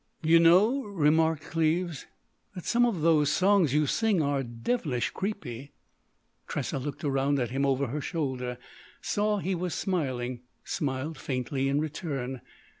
—_" "You know," remarked Cleves, "that some of those songs you sing are devilish creepy." Tressa looked around at him over her shoulder, saw he was smiling, smiled faintly in return.